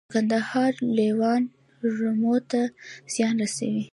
د کندهار لیوان رمو ته زیان رسوي؟